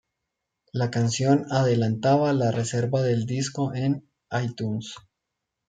La canción adelantaba la reserva del disco en "iTunes".